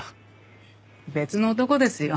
別の男ですよ。